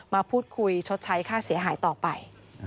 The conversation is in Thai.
มาพูดคุยชดใช้ค่าเสียหายต่อไป